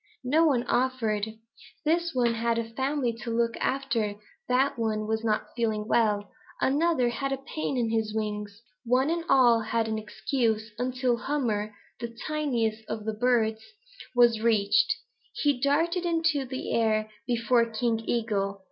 "No one offered. This one had a family to look after. That one was not feeling well. Another had a pain in his wings. One and all they had an excuse until Hummer, the tiniest of all the birds, was reached. He darted into the air before King Eagle.